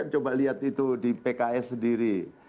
coba lihat itu di pks sendiri